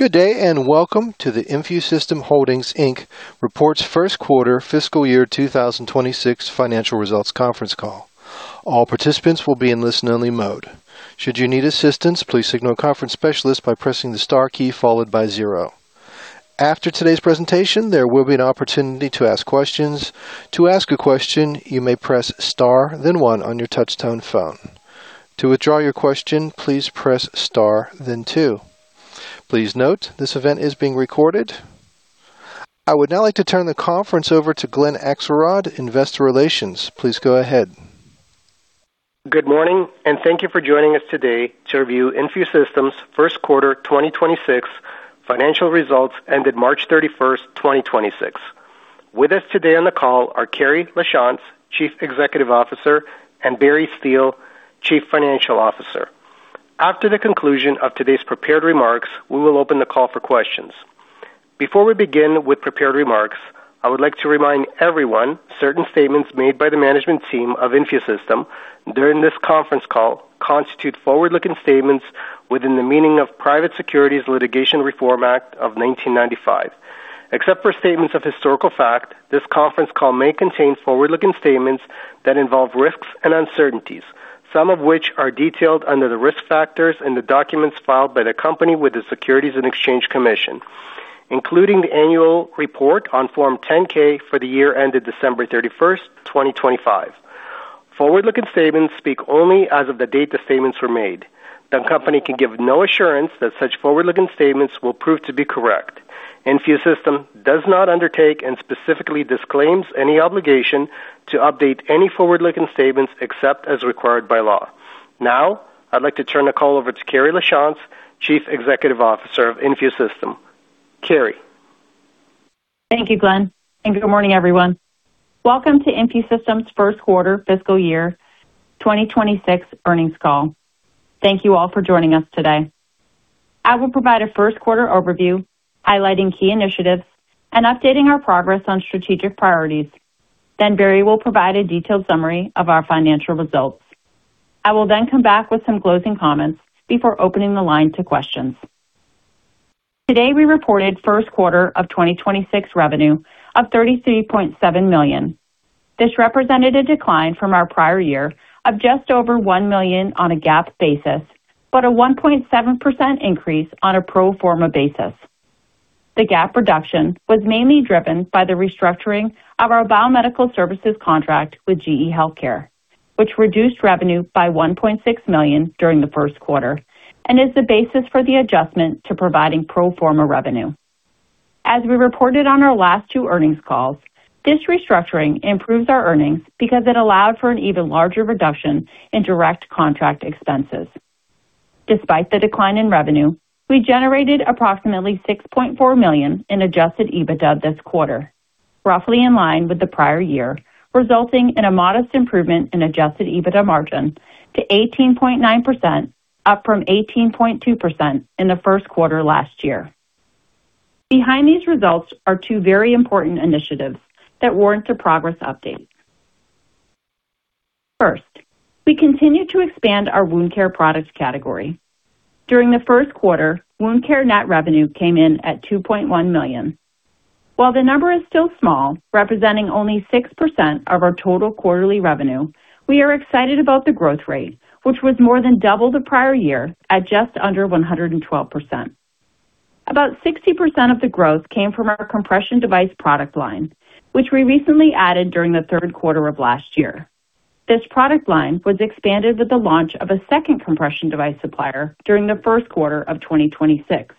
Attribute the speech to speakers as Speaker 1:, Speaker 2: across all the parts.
Speaker 1: Good day, welcome to the InfuSystem Holdings, Inc. Reports First Quarter Fiscal Year 2026 Financial Results Conference Call. All participants will be in listen-only mode. Should you need assistance, please signal a conference specialist by pressing the star key followed by zero. After today's presentation, there will be an opportunity to ask questions. To ask a question, you may press star then one on your touch-tone phone. To withdraw your question, please press star then two. Please note, this event is being recorded. I would now like to turn the conference over to Glenn Akselrod, Investor Relations. Please go ahead.
Speaker 2: Good morning, and thank you for joining us today to review InfuSystem's first quarter 2026 financial results ended March 31st, 2026. With us today on the call are Carrie Lachance, Chief Executive Officer, and Barry Steele, Chief Financial Officer. After the conclusion of today's prepared remarks, we will open the call for questions. Before we begin with prepared remarks, I would like to remind everyone certain statements made by the management team of InfuSystem during this conference call constitute forward-looking statements within the meaning of Private Securities Litigation Reform Act of 1995. Except for statements of historical fact, this conference call may contain forward-looking statements that involve risks and uncertainties, some of which are detailed under the risk factors in the documents filed by the company with the Securities and Exchange Commission, including the annual report on Form 10-K for the year ended December 31st, 2025. Forward-looking statements speak only as of the date the statements were made. The company can give no assurance that such forward-looking statements will prove to be correct. InfuSystem does not undertake and specifically disclaims any obligation to update any forward-looking statements except as required by law. Now, I'd like to turn the call over to Carrie Lachance, Chief Executive Officer of InfuSystem. Carrie.
Speaker 3: Thank you, Glenn. Good morning, everyone. Welcome to InfuSystem's First Quarter Fiscal Year 2026 Earnings Call. Thank you all for joining us today. I will provide a first quarter overview highlighting key initiatives and updating our progress on strategic priorities. Barry will provide a detailed summary of our financial results. I will then come back with some closing comments before opening the line to questions. Today, we reported first quarter of 2026 revenue of $33.7 million. This represented a decline from our prior year of just over $1 million on a GAAP basis, but a 1.7% increase on a pro forma basis. The GAAP reduction was mainly driven by the restructuring of our biomedical services contract with GE HealthCare, which reduced revenue by $1.6 million during the first quarter and is the basis for the adjustment to providing pro forma revenue. As we reported on our last two earnings calls, this restructuring improves our earnings because it allowed for an even larger reduction in direct contract expenses. Despite the decline in revenue, we generated approximately $6.4 million in adjusted EBITDA this quarter, roughly in line with the prior year, resulting in a modest improvement in adjusted EBITDA margin to 18.9%, up from 18.2% in the first quarter last year. Behind these results are two very important initiatives that warrant a progress update. First, we continue to expand our wound care products category. During the first quarter, wound care net revenue came in at $2.1 million. While the number is still small, representing only 6% of our total quarterly revenue, we are excited about the growth rate, which was more than double the prior year at just under 112%. About 60% of the growth came from our compression device product line, which we recently added during the third quarter of last year. This product line was expanded with the launch of a second compression device supplier during the first quarter of 2026.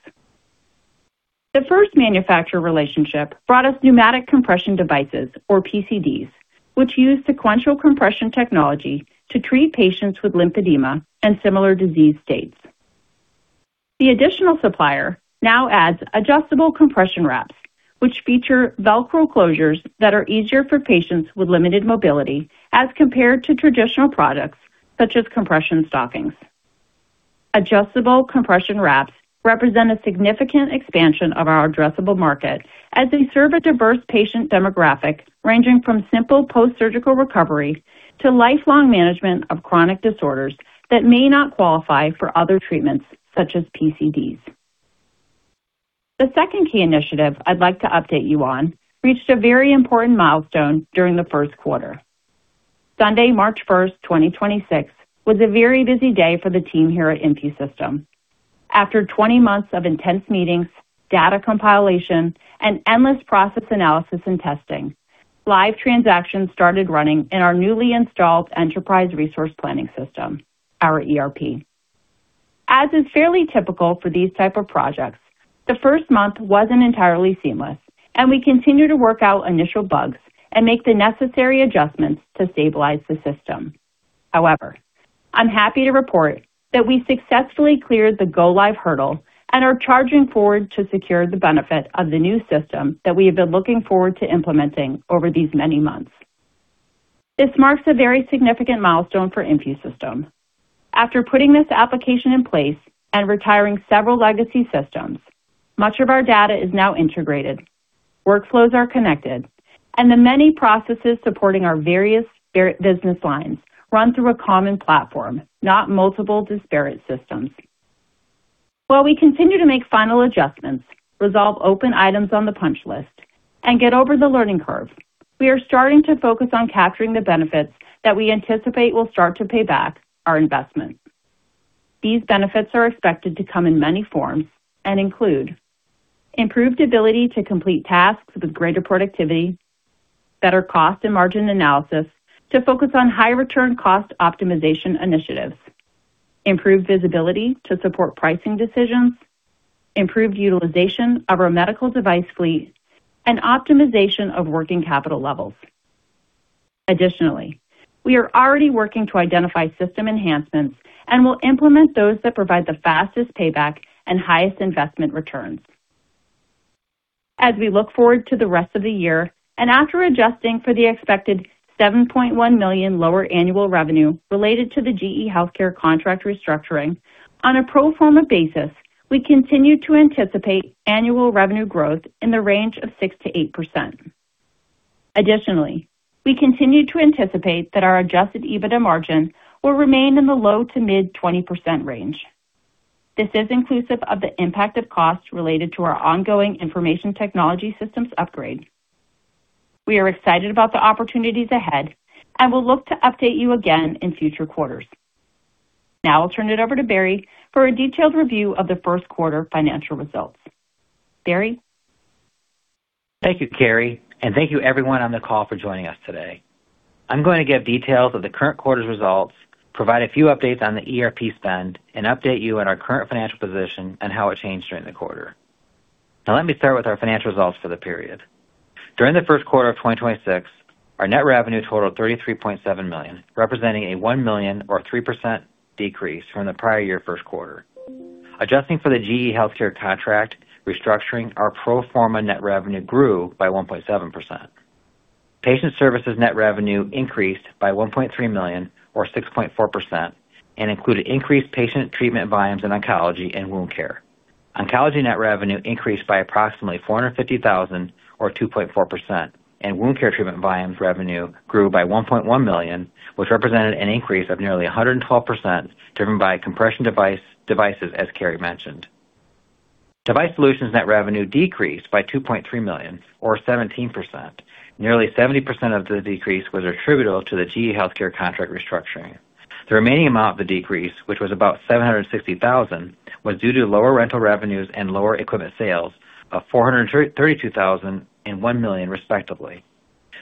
Speaker 3: The 1st manufacturer relationship brought us pneumatic compression devices or PCDs, which use sequential compression technology to treat patients with lymphedema and similar disease states. The additional supplier now adds adjustable compression wraps, which feature Velcro closures that are easier for patients with limited mobility as compared to traditional products such as compression stockings. Adjustable compression wraps represent a significant expansion of our addressable market as they serve a diverse patient demographic, ranging from simple post-surgical recovery to lifelong management of chronic disorders that may not qualify for other treatments such as PCDs. The second key initiative I'd like to update you on reached a very important milestone during the first quarter. Sunday, March 1st, 2026, was a very busy day for the team here at InfuSystem. After 20 months of intense meetings, data compilation, and endless process analysis and testing, live transactions started running in our newly installed enterprise resource planning system, our ERP. As is fairly typical for these type of projects, the first month wasn't entirely seamless, and we continue to work out initial bugs and make the necessary adjustments to stabilize the system. However, I'm happy to report that we successfully cleared the go-live hurdle and are charging forward to secure the benefit of the new system that we have been looking forward to implementing over these many months. This marks a very significant milestone for InfuSystem. After putting this application in place and retiring several legacy systems, much of our data is now integrated. Workflows are connected, and the many processes supporting our various business lines run through a common platform, not multiple disparate systems. While we continue to make final adjustments, resolve open items on the punch list, and get over the learning curve, we are starting to focus on capturing the benefits that we anticipate will start to pay back our investment. These benefits are expected to come in many forms and include improved ability to complete tasks with greater productivity, better cost and margin analysis to focus on high return cost optimization initiatives, improved visibility to support pricing decisions, improved utilization of our medical device fleet, and optimization of working capital levels. Additionally, we are already working to identify system enhancements and will implement those that provide the fastest payback and highest investment returns. As we look forward to the rest of the year and after adjusting for the expected $7.1 million lower annual revenue related to the GE HealthCare contract restructuring. On a pro forma basis, we continue to anticipate annual revenue growth in the range of 6%-8%. Additionally, we continue to anticipate that our adjusted EBITDA margin will remain in the low to mid 20% range. This is inclusive of the impact of costs related to our ongoing information technology systems upgrade. We are excited about the opportunities ahead and will look to update you again in future quarters. Now I'll turn it over to Barry for a detailed review of the first quarter financial results. Barry?
Speaker 4: Thank you, Carrie, thank you everyone on the call for joining us today. I'm going to give details of the current quarter's results, provide a few updates on the ERP spend, and update you on our current financial position and how it changed during the quarter. Let me start with our financial results for the period. During the first quarter of 2026, our net revenue totaled $33.7 million, representing a $1 million or 3% decrease from the prior year first quarter. Adjusting for the GE HealthCare contract restructuring, our pro forma net revenue grew by 1.7%. Patient services net revenue increased by $1.3 million or 6.4% and included increased patient treatment volumes in oncology and wound care. Oncology net revenue increased by approximately $450,000 or 2.4%, and wound care treatment volumes revenue grew by $1.1 million, which represented an increase of nearly 112%, driven by compression devices, as Carrie mentioned. Device solutions net revenue decreased by $2.3 million or 17%. Nearly 70% of the decrease was attributable to the GE HealthCare contract restructuring. The remaining amount of the decrease, which was about $760,000, was due to lower rental revenues and lower equipment sales of $432,000 and $1 million, respectively.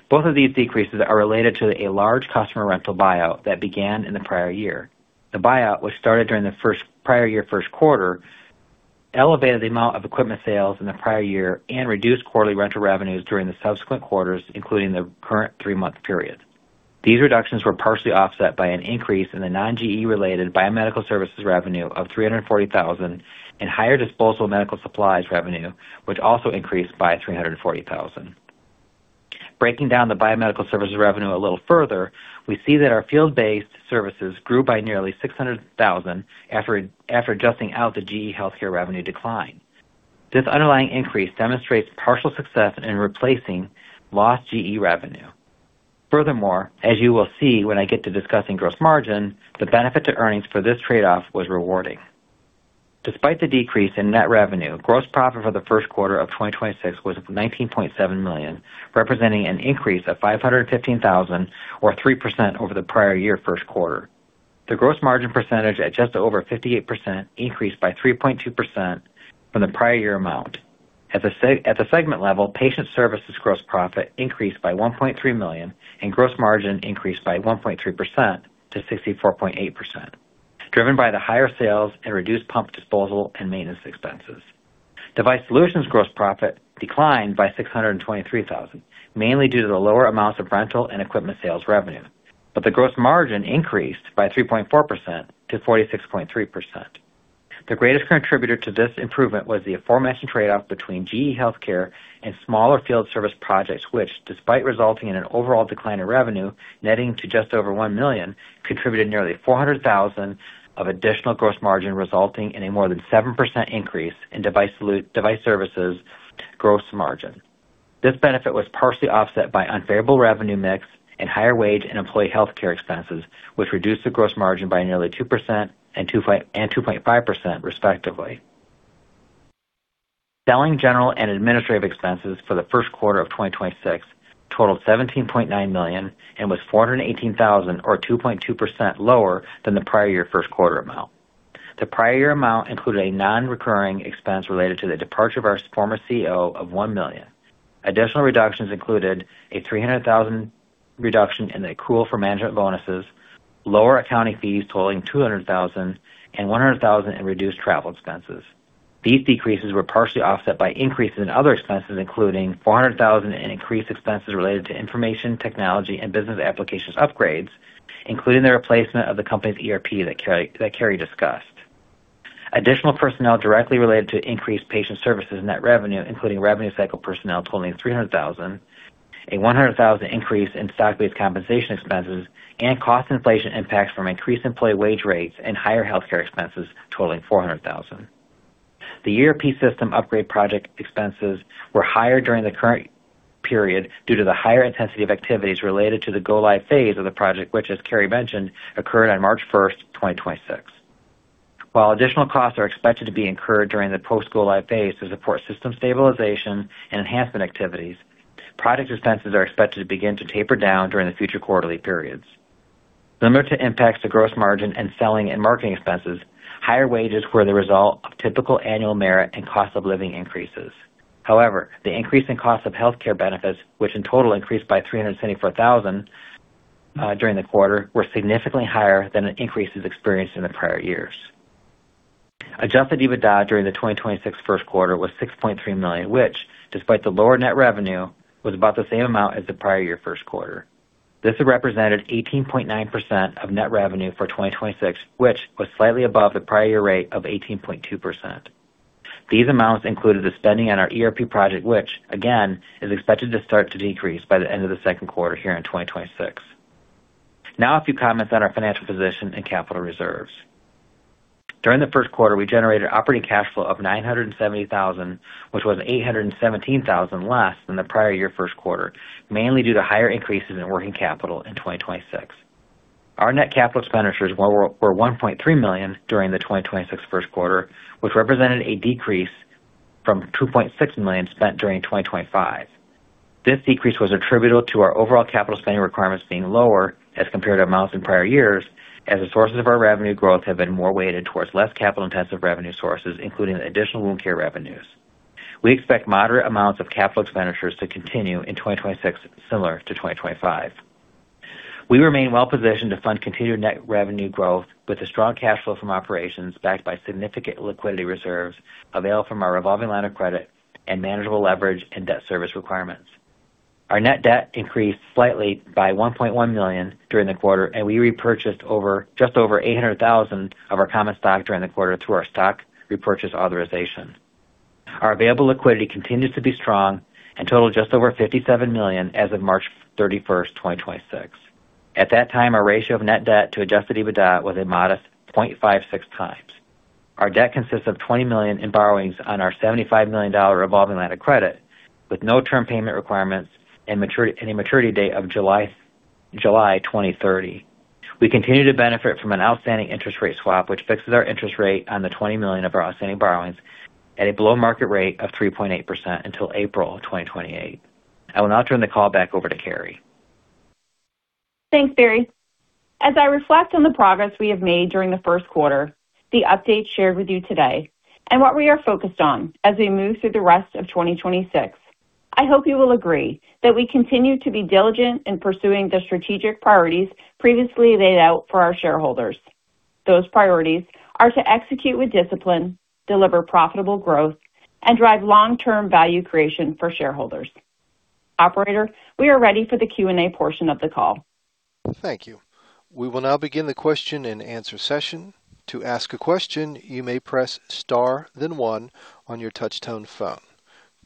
Speaker 4: Both of these decreases are related to a large customer rental buyout that began in the prior year. The buyout, which started during the prior year first quarter, elevated the amount of equipment sales in the prior year and reduced quarterly rental revenues during the subsequent quarters, including the current three-month period. These reductions were partially offset by an increase in the non-GE related biomedical services revenue of $340,000 and higher disposal medical supplies revenue, which also increased by $340,000. Breaking down the biomedical services revenue a little further, we see that our field-based services grew by nearly $600,000 after adjusting out the GE HealthCare revenue decline. This underlying increase demonstrates partial success in replacing lost GE revenue. Furthermore, as you will see when I get to discussing gross margin, the benefit to earnings for this trade-off was rewarding. Despite the decrease in net revenue, gross profit for the first quarter of 2026 was $19.7 million, representing an increase of $515,000 or 3% over the prior year first quarter. The gross margin percentage at just over 58% increased by 3.2% from the prior year amount. At the segment level, Patient Services gross profit increased by $1.3 million and gross margin increased by 1.3% to 64.8%, driven by the higher sales and reduced pump disposal and maintenance expenses. Device Solutions gross profit declined by $623,000, mainly due to the lower amounts of rental and equipment sales revenue. The gross margin increased by 3.4% to 46.3%. The greatest contributor to this improvement was the aforementioned trade-off between GE HealthCare and smaller field service projects, which, despite resulting in an overall decline in revenue netting to just over $1 million, contributed nearly $400,000 of additional gross margin, resulting in a more than 7% increase in device services gross margin. This benefit was partially offset by unfavorable revenue mix and higher wage and employee healthcare expenses, which reduced the gross margin by nearly 2% and 2.5% respectively. Selling general and administrative expenses for the first quarter of 2026 totaled $17.9 million and was $418,000 or 2.2% lower than the prior year first quarter amount. The prior year amount included a non-recurring expense related to the departure of our former CEO of $1 million. Additional reductions included a $300,000 reduction in the accrual for management bonuses, lower accounting fees totaling $200,000, and $100,000 in reduced travel expenses. These decreases were partially offset by increases in other expenses, including $400,000 in increased expenses related to information technology and business applications upgrades, including the replacement of the company's ERP that Carrie discussed. Additional personnel directly related to increased patient services net revenue, including revenue cycle personnel totaling $300,000. A $100,000 increase in stock-based compensation expenses and cost inflation impacts from increased employee wage rates and higher healthcare expenses totaling $400,000. The InfuSystem upgrade project expenses were higher during the current period due to the higher intensity of activities related to the go-live phase of the project, which, as Carrie mentioned, occurred on March 1st, 2026. While additional costs are expected to be incurred during the post-go live phase to support system stabilization and enhancement activities, project expenses are expected to begin to taper down during the future quarterly periods. Similar to impacts to gross margin and selling and marketing expenses, higher wages were the result of typical annual merit and cost of living increases. However, the increase in cost of healthcare benefits, which in total increased by $374,000 during the quarter, were significantly higher than the increases experienced in the prior years. Adjusted EBITDA during the 2026 first quarter was $6.3 million, which despite the lower net revenue, was about the same amount as the prior year first quarter. This represented 18.9% of net revenue for 2026, which was slightly above the prior year rate of 18.2%. These amounts included the spending on our ERP project, which again is expected to start to decrease by the end of the second quarter here in 2026. A few comments on our financial position and capital reserves. During the first quarter, we generated operating cash flow of $970,000, which was $817,000 less than the prior year first quarter, mainly due to higher increases in working capital in 2026. Our net capital expenditures were $1.3 million during the 2026 first quarter, which represented a decrease from $2.6 million spent during 2025. This decrease was attributable to our overall capital spending requirements being lower as compared to amounts in prior years as the sources of our revenue growth have been more weighted towards less capital-intensive revenue sources, including additional wound care revenues. We expect moderate amounts of capital expenditures to continue in 2026, similar to 2025. We remain well positioned to fund continued net revenue growth with the strong cash flow from operations backed by significant liquidity reserves available from our revolving line of credit and manageable leverage and debt service requirements. Our net debt increased slightly by $1.1 million during the quarter, and we repurchased just over $800,000 of our common stock during the quarter through our stock repurchase authorization. Our available liquidity continues to be strong and totaled just over $57 million as of March 31st, 2026. At that time, our ratio of net debt to adjusted EBITDA was a modest 0.56x. Our debt consists of $20 million in borrowings on our $75 million revolving line of credit, with no term payment requirements and maturity, and a maturity date of July 2030. We continue to benefit from an outstanding interest rate swap, which fixes our interest rate on the $20 million of our outstanding borrowings at a below-market rate of 3.8% until April of 2028. I will now turn the call back over to Carrie.
Speaker 3: Thanks, Barry. As I reflect on the progress we have made during the first quarter, the updates shared with you today, and what we are focused on as we move through the rest of 2026, I hope you will agree that we continue to be diligent in pursuing the strategic priorities previously laid out for our shareholders. Those priorities are to execute with discipline, deliver profitable growth, and drive long-term value creation for shareholders. Operator, we are ready for the Q&A portion of the call.
Speaker 1: Thank you. We will now begin the question-and-answer session. To ask a question, you may press star then one on your touch-tone phone.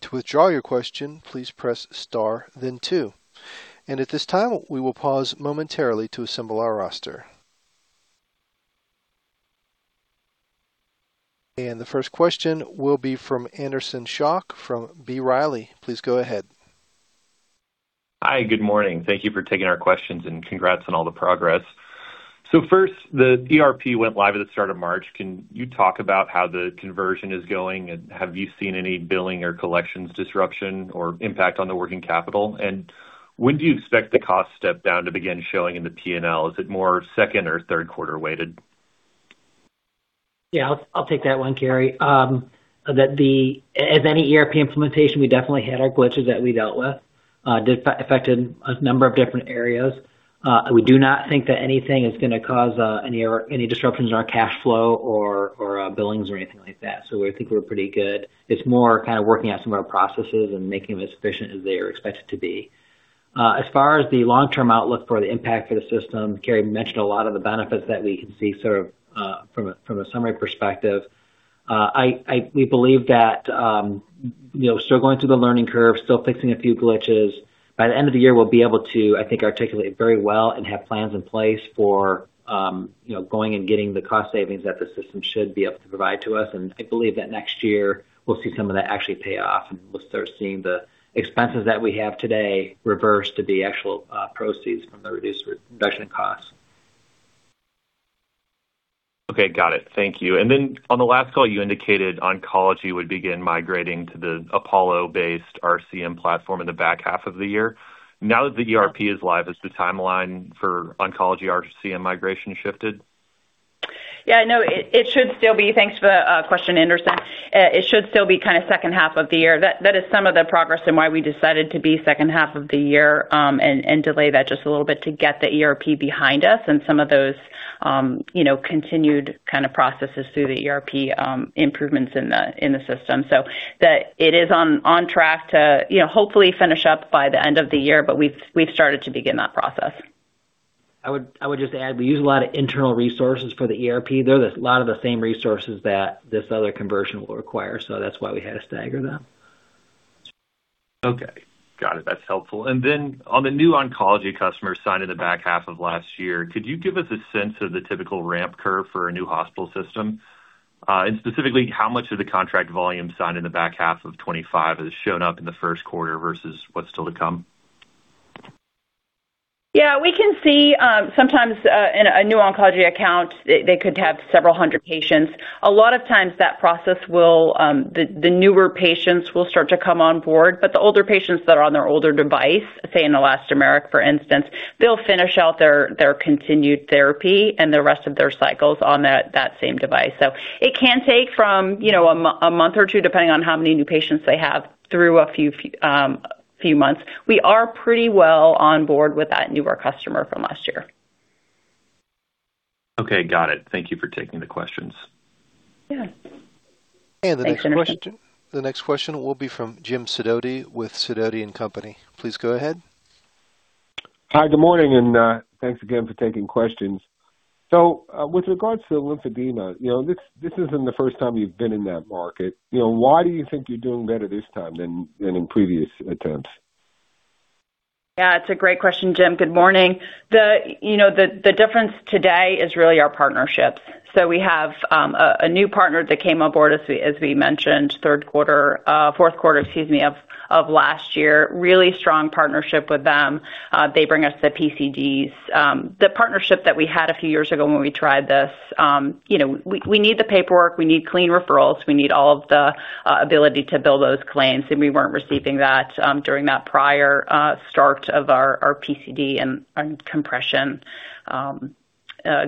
Speaker 1: To withdraw your question, please press star then two. At this time, we will pause momentarily to assemble our roster. The first question will be from Anderson Schock from B. Riley. Please go ahead.
Speaker 5: Hi. Good morning. Thank you for taking our questions, and congrats on all the progress. First, the ERP went live at the start of March. Can you talk about how the conversion is going? Have you seen any billing or collections disruption or impact on the working capital? When do you expect the cost step down to begin showing in the P&L? Is it more second or third quarter weighted?
Speaker 4: I'll take that one, Carrie. As any ERP implementation, we definitely had our glitches that we dealt with that affected a number of different areas. We do not think that anything is going to cause any error, any disruptions in our cash flow or billings or anything like that. We think we're pretty good. It's more kind of working out some of our processes and making them as efficient as they are expected to be. As far as the long-term outlook for the impact of the system, Carrie mentioned a lot of the benefits that we can see sort of from a summary perspective. We believe that, you know, still going through the learning curve, still fixing a few glitches. By the end of the year, we'll be able to, I think, articulate very well and have plans in place for, you know, going and getting the cost savings that the system should be able to provide to us. I believe that next year we'll see some of that actually pay off, and we'll start seeing the expenses that we have today reverse to the actual, proceeds from the reduced reduction in costs.
Speaker 5: Okay. Got it. Thank you. On the last call, you indicated oncology would begin migrating to the Apollo-based RCM platform in the back half of the year. Now that the ERP is live, has the timeline for oncology RCM migration shifted?
Speaker 3: No, it should still be. Thanks for the question, Anderson. it should still be kind of second half of the year. That is some of the progress and why we decided to be second half of the year, and delay that just a little bit to get the ERP behind us and some of those, you know, continued kind of processes through the ERP, improvements in the system. it is on track to, you know, hopefully finish up by the end of the year, but we've started to begin that process.
Speaker 4: I would just add, we use a lot of internal resources for the ERP. They're a lot of the same resources that this other conversion will require. That's why we had to stagger them.
Speaker 5: Okay. Got it. That's helpful. On the new oncology customers signed in the back half of last year, could you give us a sense of the typical ramp curve for a new hospital system? Specifically, how much of the contract volume signed in the back half of 2025 has shown up in the first quarter versus what's still to come?
Speaker 3: We can see sometimes in a new oncology account, they could have several hundred patients. A lot of times that process will, the newer patients will start to come on board, but the older patients that are on their older device, say in elastomeric, for instance, they'll finish out their continued therapy and the rest of their cycles on that same device. It can take from, you know, a month or two, depending on how many new patients they have, through a few months. We are pretty well on board with that newer customer from last year.
Speaker 5: Okay, got it. Thank you for taking the questions.
Speaker 3: Yeah.
Speaker 1: And the next question-
Speaker 4: Thanks, Anderson.
Speaker 1: The next question will be from Jim Sidoti with Sidoti & Company. Please go ahead.
Speaker 6: Hi, good morning, and thanks again for taking questions. With regards to lymphedema, you know, this isn't the first time you've been in that market. You know, why do you think you're doing better this time than in previous attempts?
Speaker 3: Yeah, it's a great question, Jim. Good morning. You know, the difference today is really our partnerships. We have a new partner that came aboard as we mentioned, third quarter, fourth quarter, excuse me, of last year. Really strong partnership with them. They bring us the PCDs. The partnership that we had a few years ago when we tried this, you know, we need the paperwork, we need clean referrals, we need all of the ability to bill those claims, and we weren't receiving that during that prior start of our PCD and compression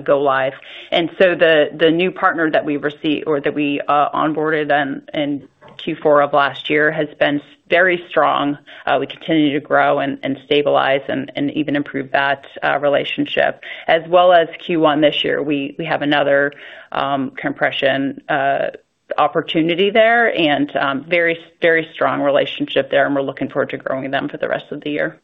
Speaker 3: go live. The new partner that we received or that we onboarded in Q4 of last year has been very strong. We continue to grow and stabilize and even improve that relationship. As well as Q1 this year, we have another compression opportunity there and very strong relationship there. We're looking forward to growing them for the rest of the year.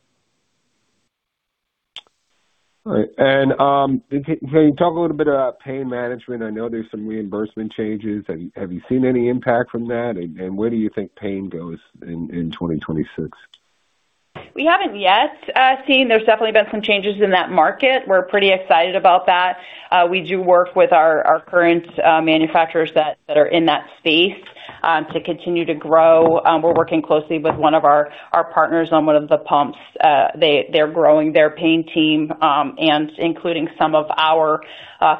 Speaker 6: All right. Can you talk a little bit about pain management? I know there's some reimbursement changes. Have you seen any impact from that? Where do you think pain goes in 2026?
Speaker 3: We haven't yet seen. There's definitely been some changes in that market. We're pretty excited about that. We do work with our current manufacturers that are in that space to continue to grow. We're working closely with one of our partners on one of the pumps. They're growing their pain team and including some of our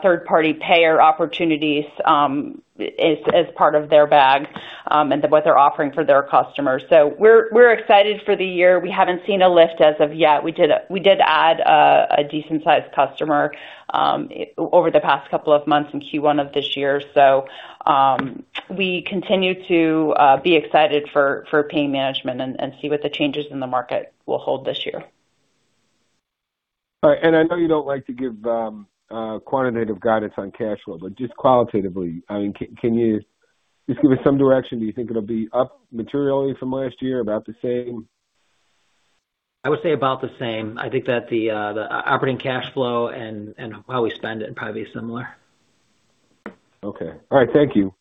Speaker 3: third-party payer opportunities as part of their bag and what they're offering for their customers. We're excited for the year. We haven't seen a lift as of yet. We did add a decent sized customer over the past couple of months in Q1 of this year. We continue to be excited for pain management and see what the changes in the market will hold this year.
Speaker 6: All right. I know you don't like to give quantitative guidance on cash flow, but just qualitatively, I mean, can you just give us some direction? Do you think it'll be up materially from last year? About the same?
Speaker 4: I would say about the same. I think that the operating cash flow and how we spend it'd probably be similar.
Speaker 6: Okay. All right. Thank you.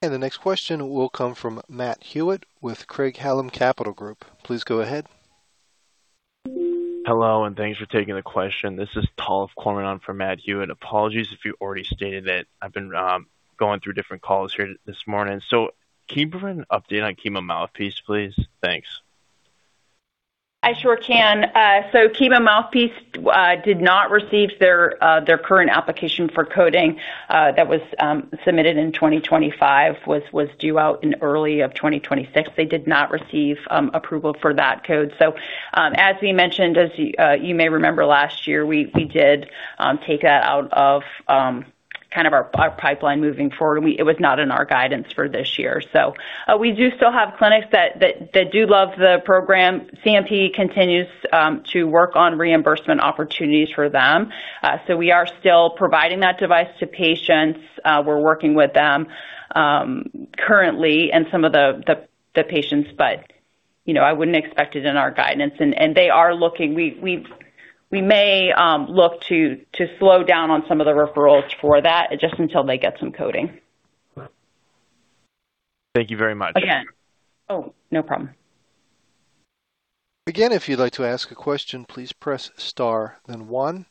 Speaker 1: The next question will come from Matt Hewitt with Craig-Hallum Capital Group. Please go ahead.
Speaker 7: Hello, and thanks for taking the question. This is [Tal] calling on for Matt Hewitt. Apologies if you already stated it. I've been going through different calls here this morning. Can you provide an update on Chemo Mouthpiece, please? Thanks.
Speaker 3: I sure can. Chemo Mouthpiece did not receive their current application for coding that was submitted in 2025, was due out in early of 2026. They did not receive approval for that code. As we mentioned, as you may remember last year, we did take that out of our pipeline moving forward. It was not in our guidance for this year. We do still have clinics that do love the program. CMP continues to work on reimbursement opportunities for them. We are still providing that device to patients. We're working with them currently and some of the patients, but, you know, I wouldn't expect it in our guidance. They are looking. We may look to slow down on some of the referrals for that just until they get some coding.
Speaker 7: Thank you very much.
Speaker 3: Again. Oh, no problem.
Speaker 1: Again, if you'd like to ask a question, please press star then one.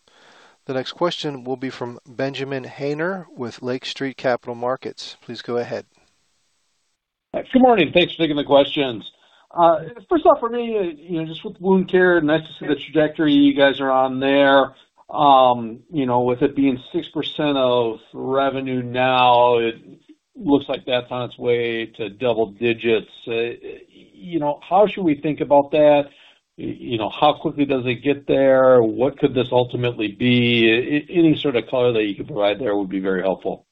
Speaker 1: The next question will be from Benjamin Haner with Lake Street Capital Markets. Please go ahead.
Speaker 8: Good morning. Thanks for taking the questions. First off for me, you know, just with wound care, nice to see the trajectory you guys are on there. You know, with it being 6% of revenue now, it looks like that's on its way to double digits. You know, how should we think about that? You know, how quickly does it get there? What could this ultimately be? Any sort of color that you could provide there would be very helpful.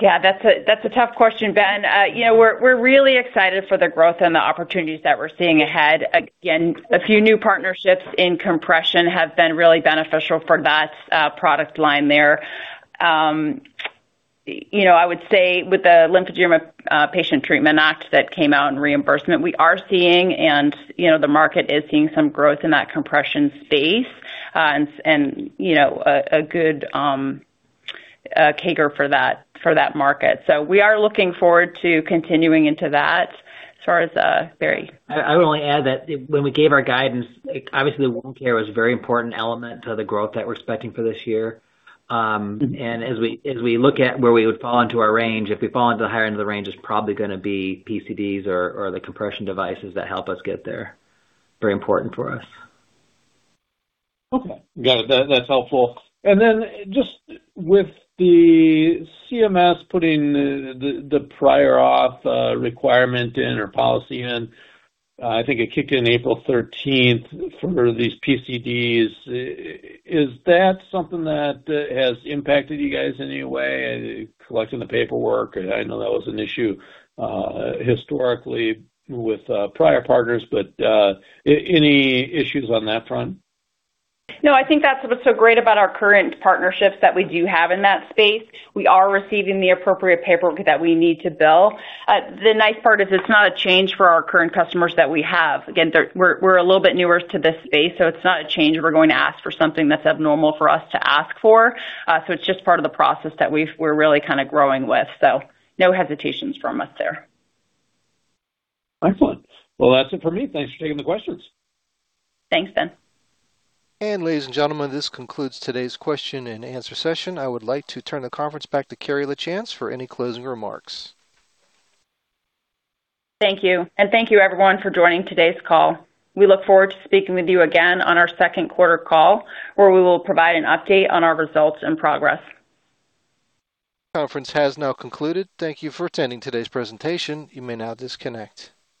Speaker 3: Yeah, that's a tough question, Ben. You know, we're really excited for the growth and the opportunities that we're seeing ahead. Again, a few new partnerships in compression have been really beneficial for that product line there. You know, I would say with the Lymphedema Patient Treatment Act that came out in reimbursement, we are seeing and, you know, the market is seeing some growth in that compression space, and, you know, a good CAGR for that market. We are looking forward to continuing into that as far as Barry.
Speaker 4: I would only add that when we gave our guidance, like, obviously, wound care was a very important element to the growth that we're expecting for this year. As we look at where we would fall into our range, if we fall into the higher end of the range, it's probably gonna be PCDs or the compression devices that help us get there. Very important for us.
Speaker 8: Okay. Got it. That's helpful. Then just with the CMS putting the prior auth requirement in or policy in, I think it kicked in April thirteenth for these PCDs, is that something that has impacted you guys in any way, collecting the paperwork? I know that was an issue historically with prior partners, but any issues on that front?
Speaker 3: No, I think that's what's so great about our current partnerships that we do have in that space. We are receiving the appropriate paperwork that we need to bill. The nice part is it's not a change for our current customers that we have. Again, we're a little bit newer to this space, so it's not a change if we're going to ask for something that's abnormal for us to ask for. It's just part of the process that we're really kind of growing with. No hesitations from us there.
Speaker 8: Excellent. Well, that's it for me. Thanks for taking the questions.
Speaker 3: Thanks, Ben.
Speaker 1: Ladies and gentlemen, this concludes today's question and answer session. I would like to turn the conference back to Carrie Lachance for any closing remarks.
Speaker 3: Thank you. Thank you everyone for joining today's call. We look forward to speaking with you again on our second quarter call, where we will provide an update on our results and progress.
Speaker 1: Conference has now concluded. Thank you for attending today's presentation. You may now disconnect.